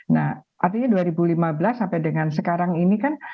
nah artinya dua ribu lima belas sampai dengan sekarang ini kan